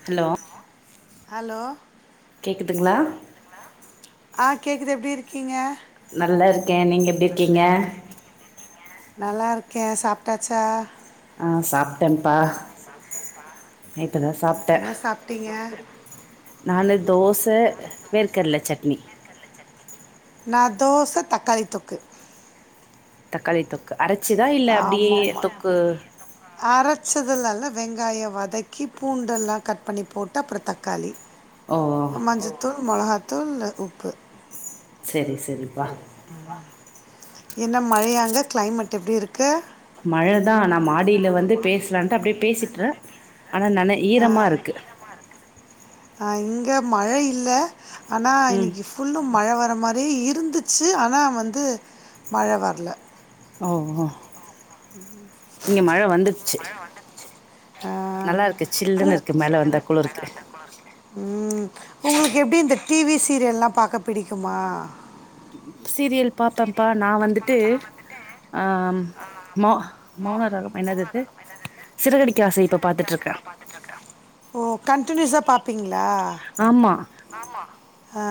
Hello hello கேக்குதுங்களா ஆ கேட்குது எப்டி இருக்கீங்க நல்லா இருக்கே நீங்க எப்டி இருக்கீங்க நல்லா இருக்கே சாப்டாச்சா ஆ சாப்டேப்பா நெ இப்பதா சாப்டே என்ன சாப்ட்டீங்க நானு தோச வேர்கர்ல சட்னி நா தோச தக்காளி தொக்கு தக்காளி தொக்கு அரச்சிதா இல்ல அப்டியே தொக்கு அரச்சதலால்ல வெங்காய வதக்கி பூண்டெல்லா கட் பண்ணி போட்டு அப்றோ தக்காளி ஓ மஞ்சத்தூள் மொளகா தூள்ள உப்பு செரிஸ் சரி சரி பா என்ன மழையாங்க கிளைமேட் எப்டி இருக்கு மழதா நா மாடில வந்து பேசலான்ட்டு அப்டே பேசிட்ரு அனா நன ஈரமா இருக்கு அ இங்க மழ இல்ல ஆனா ம் இன்னைக்கு ஃபுல்லு மழ வர மாரி அப்டியே இருந்துச்சு ஆனா வந்து மழ வர்ல ஓஹோ இங்க மழ வந்துடுச்சு ஆ நல்லா இருக்கு சில்லுன்னு இருக்கு மேல வந்தா குளு இருக்கு ம் உங்களுக்கு எப்டி இந்த டிவி சீரியல் எல்லா பாக்க பிடிக்குமா சீரியல் பாத்தாப் ப நா வந்துட்டு அ மொ மௌன ராகம் என்னது அது சிறகடிக்க ஆசை இப்போ ஓ கண்டி யூசா பாப்பீங்களா ஆமா ஹா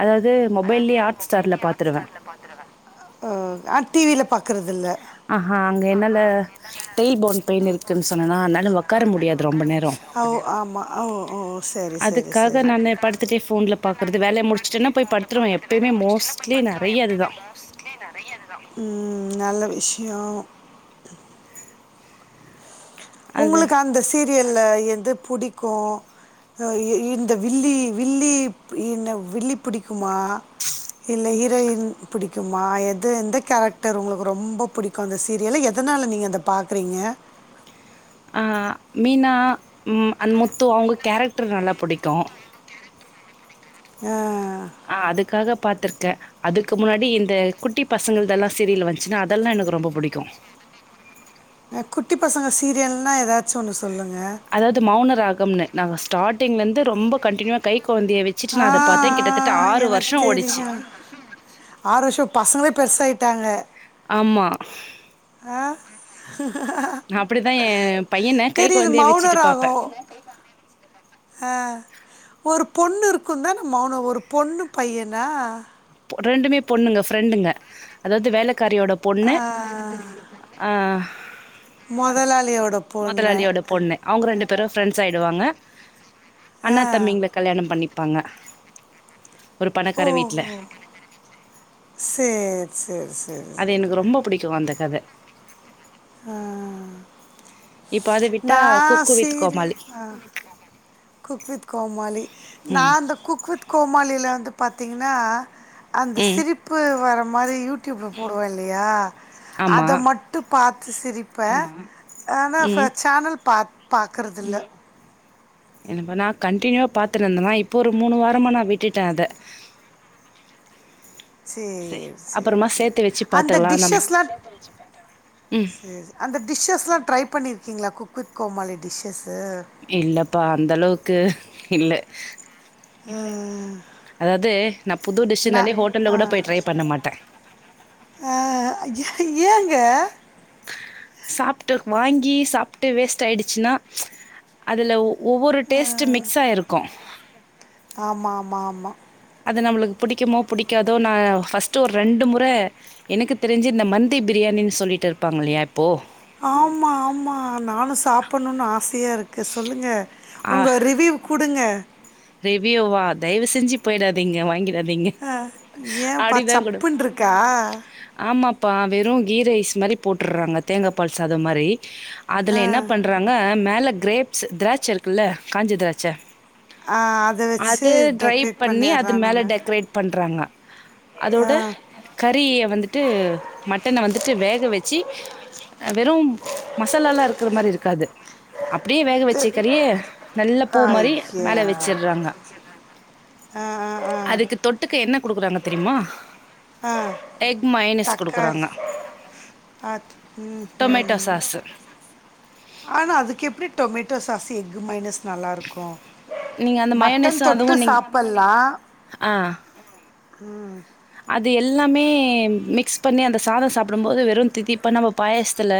அதாவது மொபைல்லே ஹாட் ஸ்டார்ல் பார்த்துருவே ஆ டிவில பார்க்குறது இல்ல ஆஹா அங்க என்னால டெயில் போன் பெயின் இருக்குன்னு சொன்னேனா ஆனால ஒக்கார முடியாது ரொம்ப நேரோ ஓ ஆமாம் ஓ ஓ சரி சரி அதுக்காக சரி நானு படுத்துட்டே ஃபோன்ல பாக்குறது வேலைய முடிச்சுட்டேன்னா போய் படுத்துருவே எப்பயுமே மோஸ்ட்லி நறைய அது தா ம் நல்ல விஷ்யோ அது உங்களுக்கு அந்த சீரி சீரியல்ல எது புடிக்கு இந்த வில்லி வில்லி வில்லி பிடிக்குமா இல்ல ஹீரோயின் பிடிக்குமா எது எந்த கேரக்டர் உங்களுக்கு ரொம்ப பிடிக்கு அந்த சீரியல எதனால நீங்க அத பாக்குறீங்க ஆ மீனா ம் அந் முத்து அவங்க கேரக்டர் நல்லா புடிக்கு அ அஹ் அதுக்காக பாத்திருக்கேன் அதுக்கு முன்னாடி இந்த குட்டி பசங்கள இதெல்லாம் சீரியல் வந்துச்சுன்னா அதெல்லாம் எனக்கு ரொம்ப பிடிக்கும் குட்டி பசங்க சீரியல்னா ஏதாச்சும் ஒண்ணு அதாவது மௌனராகம்ல நாங்கள் ஸ்டார்டிங்லேருந்து ரொம்ப கண்டினிவாகி ஆஹா ஆஹ் எனக்கு வருஷோ ஓடிச்சு. தெரியும் ஆறு வருஷம் பசங்களே பெருசாயிட்டு ஆய்டாக ஆமா அப்படிதான் என் பையனை கை தெரியுது குழந்தைய மௌன வச்சுட்டு பாப்பேன் ராகம் அஹ் ஒரு பொண்ணு இருக்கும் தான் ந மௌனம் ஒரு பொண்ணு பையனா ரெண்டுமே பொண்ணுங்க ப்ரெண்டுங்க அதாவது வேலைக்கு வேலைகாரியோட ஆ பொண்ணு மொதலாளியோட பொண்ணு முதலாளியோட பொண்ணு அவங்க ரெண்டு பெரும் ஃப்ரெண்ட்ஸ் ஆகிடுவாங்க ஆ அண்ணா தம்பிங்கள கல்யாணம் பண்ணிப்ப பங்கா ஒரு பணக்கார வீட்ல செர் செரி செரி அது எனக்கு ரொம்ப பிடிக்கும் அந்த அது உஹம் இப்ப அத விட்டா நான் cook with Comali serial cook with Comali Comali ம் நான் அந்த குக் வித் கோமாளியில வந்து பார்த்தீங்கன்னா அந்த ம் சிரிப்பு வர இந்த மாதிரி யூடியூப்ல போடுவேன் இல்லையா ஆமா அதை மட்டும் பார்த்து சிரிப்ப ஆனா ம் ம் பாக்குறது இல்ல என்னப்ப நான் கண்டினியூவா பாத்துட்டுந்தேனா இப்போ ஒரு மூணு வாரமா நான் விட்டுட்டேன் அத சே சரி சரி அப்புறமா சரி சேத்து வச்சு அந்த பாத்துக்கலா நம்ம டிஷஸ் எல்லாம் ம் சரி அந்த டிஷஸ்லாம் ட்ரை ப குக் பண்ணியிருக்கீங்களா குக் வித் கோமாளி டிஷஸ் இல்லப்பா அந்த அளவுக்கு இல்லை உம் உ அதாவது நான் புது டிஷ்னாலே ஹோட்டல்ல கூட போய் ட்ரை பண்ண மாட்டேன் என்ங்க சாப்பட்டு வாங்கி சாப்பிட்டு வேஸ்ட் ஆயிடுச்சுன்னா அதுல ஒவ்வொரு டேஸ்ட்டும் மிக்ஸாகி இருக்கும் ஆமாம் ஆமாம் ஆமாம் அது நம்மளுக்கு பிடிக்குமோ பிடிக்காதோ நான் ஃபர்ஸ்ட்டு ஒரு ரெண்டு முறை எனக்கு தெரிஞ்சு இந்த மந்தி பிரியாணின்னு சொல்லிட்டு இருப்பாங்கல்லையா ஆமா ஆமா நானும் சாப்பிடணும்னு ஆசையா இருக்கு சொல்லுங்க உங்க ரிவியூ கொடுங்க ஆ ரிவியூவா தயவு செஞ்சு போயிடாதீங்க வாங்கிட்டு அஹ் ஏன் பா சப்புனு இருக்கா பா வெறும் கீ ரைஸ் மாதிரி போட்டுடுறாங்க தேங்காய்பால் சாதம் அது மாதிரி ஆ அதுல என்ன பண்றாங்க மேல கிரேப்ஸ் திராட்சை இருக்குல்ல காஞ்ச திராட்சை ஆ அதை வச்சு அது ட்ரை டெக்கரேட் பண்ணி அது மேல பண்ணிடுறானுங்க டெக்கரேட் பண்றாங்க ஆ அதோட கறி வந்துட்டு மட்டனை வந்துட்டு வேக வச்சு வெறும் மசாலல்லாம் இருக்கு இருக்கிற மாதிரி இருக்காது அப்படியே வேக து வச்சுக்கறியே நல்ல பூ மாதிரி ஐயா மேலே வச்சடுறாங்க ஆ ஆ அதுக்கு ஆ தொட்டுக்கு என்ன கொடுக்குறாங்க தெரியுமா ஆ எக் மைனஸ் தக்காளி கொடுக்குறாங்க ஆ ம் ம் டொமேட்டோ சாஸு ஆனா அதுக்கு எப்படி டொமேட்டோ சாஸ் எக் மையோனஸ் நல்லா இருக்கும் நீங்க அந்த மட்டன் மயனஸு தொட்டு அதுவு நீங் சாப்பலாம் ஆ உம் அது எல்லாமே மிக்ஸ் பண்ணி அந்த சாதம் சாப்பிடும் போது வெறும் தித்திப்பா இப்ப நம்ம பாயசத்துல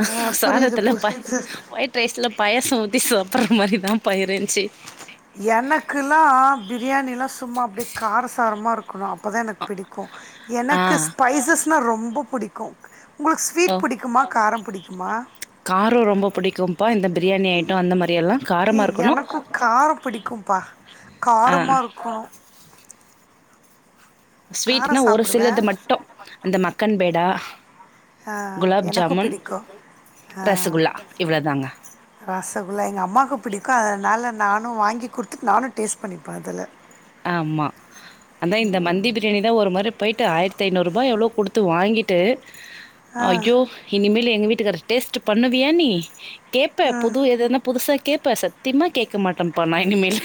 ஹ அஹ், புரியுது சாதத்துல ப புரியுது ஒயிட் ரைஸ்ல பாயசத ஊத்தி சாப்பற அ மாதிரிதான் பா இருந்துச்சு எனக்குலாம் ணும் அப்பதான் எனக்கு பிடிக்கும் ஆ எனக்கு ஸ்பைசஸ் ரொம்ப பிடிக்கும் உங்களுக்கு ஸ்வீட் பிடிக்குமா காரம் பிடிக்குமா காரம் ரொம்ப புடிக்கும்ப்பா இந்த பிரியாணி ஐட்டோ அந்த மாரி எல்லா ஏ காரமா இருக்கணு எனக்கு காரோ பிடிக்கும்பா ஆ காரமா இருக்குனு ஸ்வீட்னா காரம் ஒரு சாப்பிடுவேன் சிலது மட்டு அந்த மக்கன் பேடா ஆ குலாப் எனக்கும் ஜாமுன் பிடிக்கும் அ ரசகுல்லா இவ்ளோதாங்க ரசகுல்லா எங்க அம்மாக்கு பிடிக்கு அதனால நானு வாங்கி குடுத்துட்டு நானு டேஸ்ட் பண்ணிப்பே அதல ஆமா அதா இந்த மந்தி பிரியாணிதா ஒரு மாரி போயிட்டு ஆயிரத்தி ஐநூறுரூவா எவ்ளோ குடுத்து வாங்கிட்டு ஆ அய்யோ இனிமேல் எங்க வீட் ட்டுகாரு டேஸ்ட் பண்ணுவியா நீ கேப்ப புது எதுன புதுசா கேப் ப்ப சத்திமா கேக்கமாட்டே ப்பா நா இனிமேலு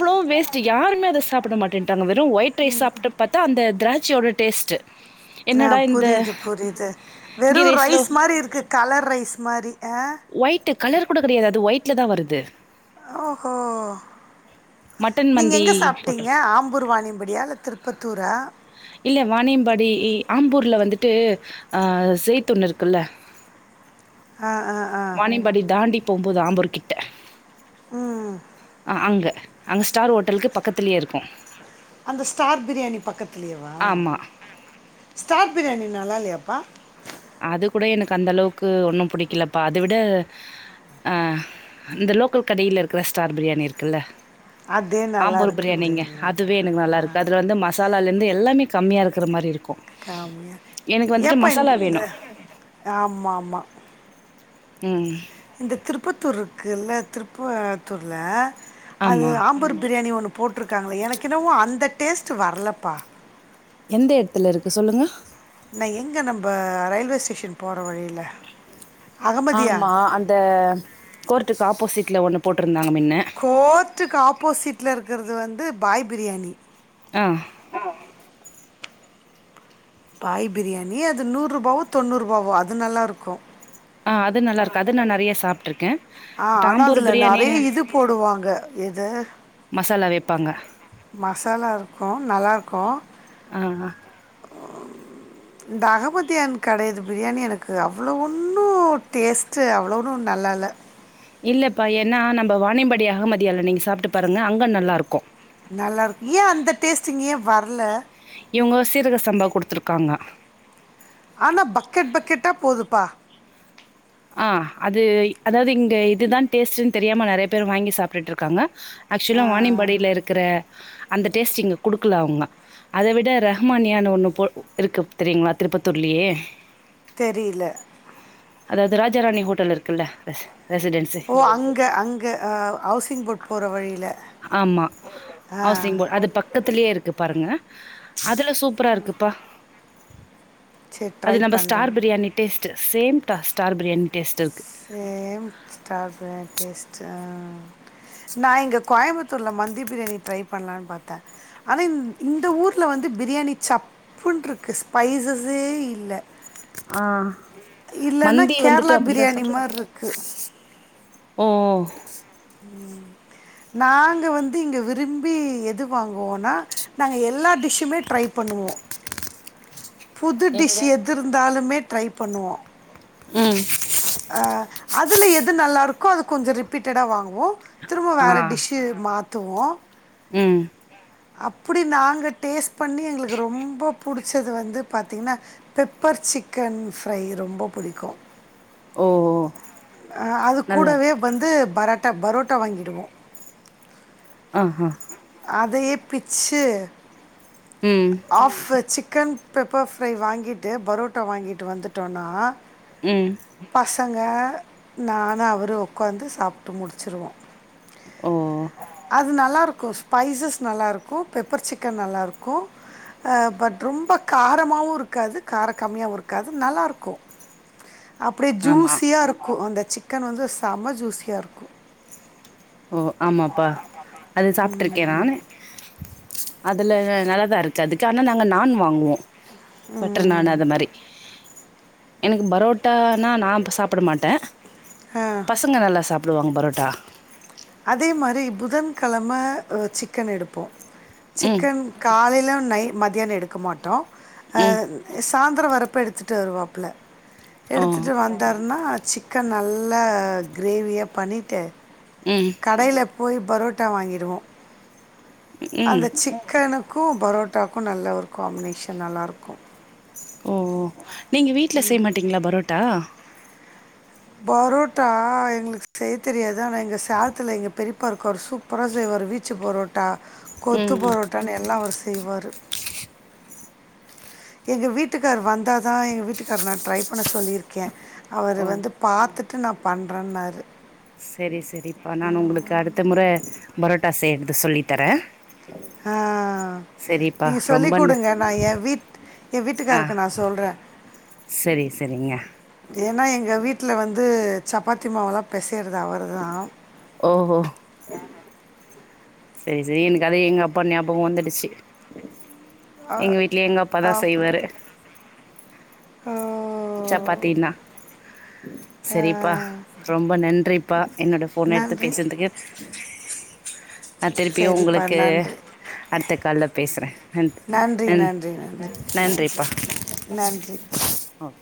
வ்ளோ வேஸ்ட் யாருமே அத சாப்பிட மாட்டேன்ட்டாங்க வெ ரு ஒயிட் ரைஸ் சாப்பிட்டு பாத்தா அந்த திரா ச்சி ஓட டேஸ்ட் ஆ புரியுது புரியுது கீ வெறு ரைஸ்ல ரைஸ் மாரி இருக்கு கலர் ரைஸ் மாரி அ ஒயிட் கலர் கூட கெடையாது அது ஒயிட்ல தா வருது த்து ஓஹோ மட்டன் நீங்க மந்தி எங்க சாப்ட்டீங்க போட்டோம். ஆம்பூர்வணிபடி இல்ல திருப்பத் த்தூறா இல்ல வானியம்பாடி ஆம்பூர்ல வந்துட்டு அ செய்த்தொண்ண இருக்குல்ல ஆ ஆ ஆ வாணியம்பாடி தாண்டி போம்போது ஆம்பூர்கிட்ட ம் ஆ அங்க அங்க ஸ்டார் ஹோட்டலுக்கு பக்கத்திலயே இருக்கு அந்த ஸ்டார் பிரியாணி பக்கத் இல்லையவா ம் ஆமா ஸ்டார்ட் பிரியாணி நல்லால்லையாப்பா அது கூட எனக்கு அந்த அளவுக்கு ஒன்னு புடிக்கலப்பா அத விட இந்த லோக்கல் கடைல இருக்கிற ஸ்டார் பிரியாணி இருக்குல்ல அதே நல்லா ஆம்பூர் பிரியாணிங்க இருக்குன்றீங்களா அதுவே எனக்கு நல்லா இருக்கு அதுல வந்து மசாலாந் எல்லாமே கம்மியா இருக்குற மாரி இருக்கு கா எனக்கு வந்துட்டு ஏப்பா மசாலா இந்த வேணு ஆமா ஆமா உம் இந்த திருப்பத்தூர் இருக்குல்ல திருப்பாத்தூர்ல அது ஆமா ஆம்பூர் பிரியாணி ஒன்னு போட்ருக்காங்களே எனக்கு என்னவோ அந்த டேஸ்ட்டு வரலப்பா எந்த எடத்துல இருக்கு சொல்லுங்க நீ எங்கே நம்ம ரயில்வே ஸ்டேஷன் போற வழியில ஆமா அந்த கோர்ட்டுக்கு ஆப்போசிட் ஒன்னு போட்டுருக் ந்தாங்க முன்ன ட்டுக்கு ஆப்போசிட்ல இருக்குறது வந்து பாய் பிரியாணி உம் பாய் பிரியாணி அது நூறு ரூபாவோ தொண்ணூறு ரூபாவோ அது நல்லா இருக்கு ஆ அது நல்லா இருக்கு அது நா நெறய சாப்பிட்டே ட்ருக்கே ஆ ஆனா அதுல நெறய இது போடுவாங்க எத பாங்க மசாலா இருக்கு நல்லா இருக்கு ஆ ஆ. இந்த அகபத்தியான் கடையாது பிரியாணி எனக்கு அவ்ளோ ஓன்னு டேஸ்ட்டு அவ்ளோ ஓன்னு நல்லா இல்ல இல்லப்பா ஏன்னா நம்ம வானிம்படி அகமதியால் நீங்க சாப்ட்டு பாருங்க அங்க நல்லா இருக்கு நல்லா இருக்கு ஏ அந்த டேஸ்ட்டு இங்க ஏ வரல்ல இவுங்க சீரக சம்பா குடுத்துருக்காங்க ஆனா பக்கெட் பக்கெட்டா போதுப்பா ஆ அது அதாவது இங்க இதுதா டேஸ்ட்டுன்னு தெரியாம நெறய பேர் வாங்கி சாப்ட்டுட்டு இருக்காங்க ஆ, ஆக்சுவலா வாணிம்படியில இருக்குற அந்த டேஸ்ட்டு இங்க குடுக்கலா அவுங்க அத விட ரஹ்மான்யான ஒன்னு போ இருக்கு தெரியுங்ளா திருப்பத்தூர்லயே தெரியல அதாவது ராஜா ராணி ஹோட்டல் இருக்குல்ல ரெசிடென்சி ஓ அங்க அங்க ஆ ஹவுசிங் போட் போற வழியில ஆமா அ ஹவுசிங் போர்ட் அது பக்கத்துலயே இருக்கு பாருங்க அதுல சூப்பரா இருக்குப்பா சரி அது ட்ரை நம்ம பண்ணுறேன் star biryani taste same star biryani taste இருக்கும் சேம் ஸ்டார் பிரியாணி டேஸ்ட் நான் இங்கே கோயம்புத்தூர்ல மந்தி பிரியாணி ட்ரை பண்ணலான்னு பார்த்தேன் ஆனா இந்த ஊரில் வந்து பிரியாணி சப்புனுருக்கு ஸ்பைஸஸே இல்லை ஆஹ் மந்தி வந்துட்டு அப்படித்தான் சொல்றன் மாரி இருக்கு ம் நாங்கள் வந்து இங்க விரும்பி எது வாங்குவோம்னா நாங்கள் எல்லா டிஷ்ஷுமே ட்ரை பண்ணுவோம் புது டிஷ் எங்க எது இருந்தாலுமே ட்ரை பண்ணுவோம் ம் அஹ் அதுல எது நல்லா இருக்கும் அது கொஞ்சம் ரிப்பீட்டடா வாங்குவோம் வோம் திரும்ப ஆ வேற டிஷுஸ் துவோம் உம் அப்படி நாங்க டேஸ்ட் பண்ணி எங்களுக்கு ரொம்ப பிடிச்சது வந்து பார்த்தீங்கன்னா பெப்பர் சிக்கன் ஃப்ரை ரொம்ப பிடிக்கும் ஓ அஹ அது கூடவே நல்லாருக்கு வந்து பரோட்டா பரோட்டா வாங்கிடுவோம் ஆஹா அதையே பிச்சு ம் ஆப் சிக்கன் பெப்பர் ஃப்ரை வாங்கிட்டு பரோட்டா வாங்கிட்டு வந்துட்டோம்னா உம் குடுத்தாங்க நானும் அவரும் உக்காந்து சாப்பிட்டு முடிச்சுடுவோம் ஓ கொஃ ஸ்பைசஸ் நல்லாயிருக்கும் பெப்பர் சிக்கன் நல்லாயிருக்கும் பட் ரொம்ப காரமாகவும் இருக்காது காரம் கம்மியாகவும் இருக்காது நல்லாயிருக்கும் அப்படியே ஆமா ஜூஸியா இருக்கும் அந்த சிக்கன் வந்து செம ஜூஸியா இருக்கும் ஓ ஆமாப்பா அது சாப் [inaudible] அதுல நல்லாதான் இருக்கு அதுக்கு ஆனா நாங்க நான் வாங்குவோம் பட்டர் நான் ம் அது மாரி எனக்கு பரோட்டானா நான் சாப்பிட மாட்டேன் ஆ பசங்க நல்லா சாப்பிடு வாங்க சாப்பிடுவாங்க பரோட்டா அதே மாரி புதன்கிழமை சிக்கன் எடுப்போம் ம் சிக்கன் காலைலில நை மதியானோம் எடுக்க மாட்டோம் ம் அஹ் சாய்ந்திரம் வரப்ப எடுத்துட்டு வருவாப்பல ஓ எடுத்துட்டு வந்தாருன்னா சிக்கன் நல்லா கிரேவியா பண்ணிட்டு ம் கடையில போய் பரோட்டா வாங்கிடுவோம் ம் அந்த சிக்கனு க்கு பரோட்டாக்கும் நல்ல ஒரு காம்பினேஷன் நல்லாயிருக்கும் ஓ ஏன் நீங்க வீட்ல செய்ய மாட்டீங்களா பரோட்டா பரோட்டா எங்களுக்கு செய்ய தெரியாது ஆனா எங்க சேலத்துல எங்க பெரியப்பா இருக்காரு சூப்பரா செய்வாரு ஒரு வீச்சு பரோட்டா கொத்து ம் பரோட்டன்னு எல்லா அவர் செ செய்வாரு எங்க வீட்டுக்கார் வந்தாதான் எங்க வீட்டுக்கார நான் ட்ரை பண்ண சொல்லியிருக்கேன் அவர் ஓ வந்து பாத்து ட்டு நான் பண்றன்னாரு செரி செரிப்பா நான் உங்களுக்கு அடுத்த முறை பரோட்டா செய்றது சொல்லி தரேன் ஆஹ நீங்க சொல்லி ரொம்ப ந குடுங்க நான் என் வீட் என் ஆ வீட்டுக்காருக்கு நான் சொல்றேன் சரி சரிங்க ஏனா எங்க வீட் வீட்ல வந்து சப்பாத்தி மாவெல்லாம் பேசன் யற்துலாம் அவர்தான் செரி செரி எனக்கு அது எங்க அப்பா ஞாபகம் வந்துடுச்சி அ எங்க வீட்டு்ல எங்க அப்பாதான் ஆமா. செய்வாரு ஓ! சப்பாத்தினா ஆ. சரிப்பா ரொம்ப நன்றி பா என்னோட ஃபோன எடுத்து நன்றி. பேசன்துகே நா திருப்பியும் சரிப்பா. உங்களுக்கு நன்றி. அடுத்த கால்ல் பேசறன் நன் நன்றி, நன் நன்றி, நன்றி, நன்றி, நன்றிப்பா நன்றி. ஓ